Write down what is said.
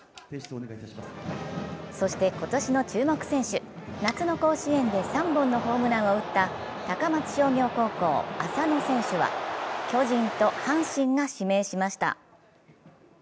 そして今年の注目選手、夏の甲子園で３本のホームランを打った高松商業高校、浅野選手は巨人と阪神が指名しました。